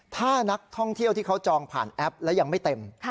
ถ้านักท่องเที่ยวที่เขาจองผ่านแอปแล้วยังไม่เต็ม